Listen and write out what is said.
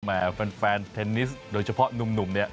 แฟนเทนนิสโดยเฉพาะหนุ่มเนี่ย